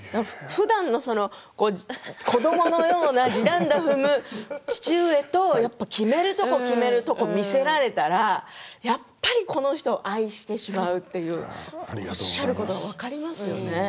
ふだんの子どものようなじだんだ踏む父上と決めるところを決めるところを見せられたらやっぱりこの人を愛してしまうというおっしゃることが分かりますよね。